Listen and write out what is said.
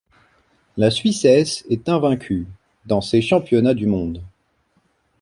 La Suissesse est invaincue dans ces championnats du monde.